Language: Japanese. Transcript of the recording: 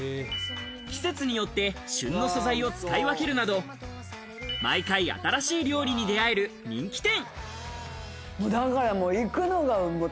季節によって旬の素材を使い分けるなど、毎回新しい料理に出合える人気店。